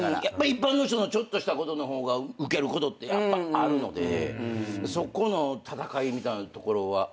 一般の人のちょっとしたことの方がウケることってやっぱあるのでそこの戦いみたいなところはあってそういうこと言ったのかなぁ。